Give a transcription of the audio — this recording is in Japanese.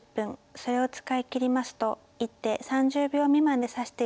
それを使い切りますと一手３０秒未満で指して頂きます。